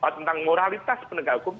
tentang moralitas penegak hukum